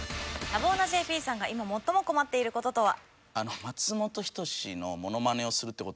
多忙なＪＰさんが今最も困っている事とは？